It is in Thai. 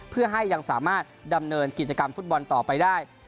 เพื่อให้ยังสามารถดำเนินกิจกรรมฟุตบอลต่อไปได้